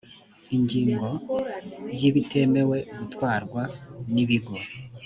ingingo ya ibitemewe gutwarwa n ibigo